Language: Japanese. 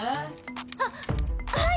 はっはい！